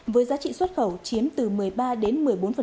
với giá trị xuất khẩu chiếm từ một mươi ba đến một mươi bốn